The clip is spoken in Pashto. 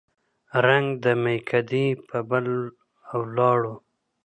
رنګ د مېکدې په بله واړوه